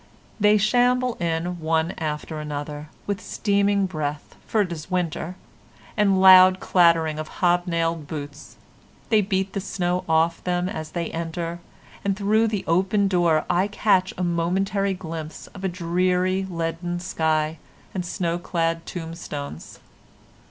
They shamble in one after another, with steaming breath, for it is winter, and loud clattering of hob nailed boots; they beat the snow from off them as they enter, and through the opened door I catch a momentary glimpse of a dreary leaden sky and snow clad tombstones.